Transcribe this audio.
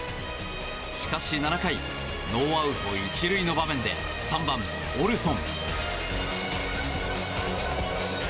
しかし７回ノーアウト１塁の場面で３番、オルソン。